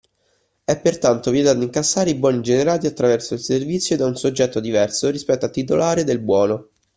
È, pertanto, vietato incassare i buoni generati attraverso il servizio da un soggetto diverso rispetto al titolare del buono